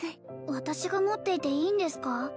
私が持っていていいんですか？